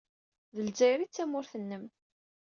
D Lezzayer ay d tamurt-nnem.